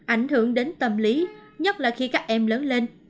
ảnh hưởng đến tâm lý nhất là khi các em lớn lên